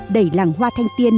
đẩy làng hoa thanh tiên